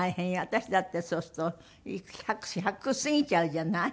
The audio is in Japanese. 私だってそうすると１００過ぎちゃうじゃない。